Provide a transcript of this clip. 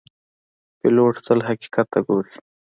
پیلوټ تل حقیقت ته ګوري.